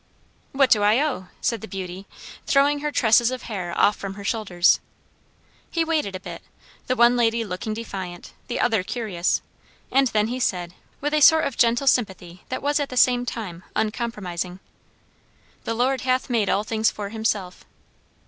"What do I owe?" said the beauty, throwing her tresses of hair off from her shoulders. He waited a bit, the one lady looking defiant, the other curious; and then he said, with a sort of gentle simplicity that was at the same time uncompromising, "'The Lord hath made all things for himself.'"